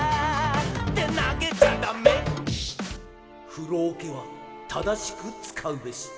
「ふろおけはただしくつかうべし」